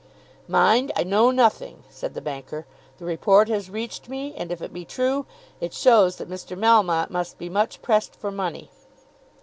"Mind, I know nothing," said the banker. "The report has reached me, and if it be true, it shows that Mr. Melmotte must be much pressed for money.